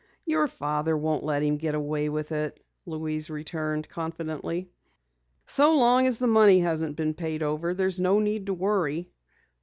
"Your father won't let him get away with it," Louise returned confidently. "So long as the money hasn't been paid over there's no need to worry."